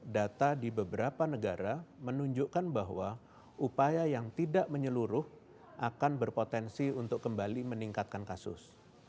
data di beberapa negara menunjukkan bahwa upaya yang tidak menyeluruh akan berpotensi untuk kembali meningkatkan kasus